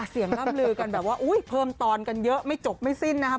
ร่ำลือกันแบบว่าอุ้ยเพิ่มตอนกันเยอะไม่จบไม่สิ้นนะครับ